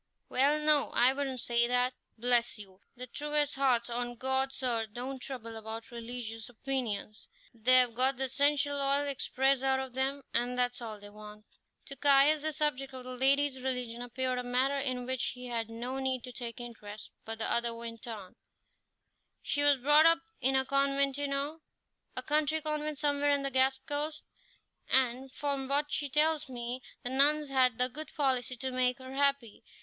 "Well, no, I wouldn't say that. Bless you! the truest hearts on God's earth don't trouble about religious opinions; they have got the essential oil expressed out of them, and that's all they want." To Caius this subject of the lady's religion appeared a matter in which he had no need to take interest, but the other went on: "She was brought up in a convent, you know a country convent somewhere on the Gaspé coast, and, from what she tells me, the nuns had the good policy to make her happy.